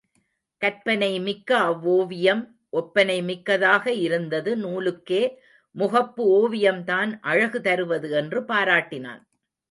கற்பனை மிக்க அவ்வோவியம் ஒப்பனை மிக்கதாக இருந்தது நூலுக்கே முகப்பு ஓவியம்தான் அழகு தருவது என்று பாராட்டினான்.